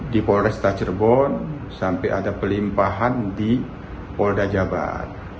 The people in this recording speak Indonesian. di polresta cirebon sampai ada pelimpahan di polda jabar